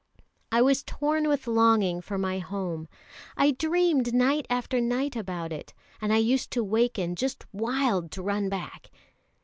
"I was torn with longing for my home. I dreamed night after night about it, and I used to waken just wild to run back.